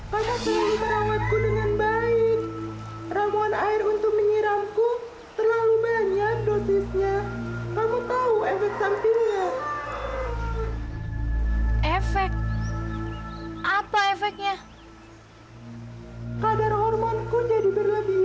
pada selalu merawatku dengan baik ramuan air untuk menyiramku terlalu banyak dosisnya kamu tahu efek sampingnya